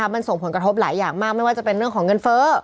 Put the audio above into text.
มันส่งผลกระทบหลายอย่างมากไม่ว่าจะเป็นเรื่องของเงินเฟ้อ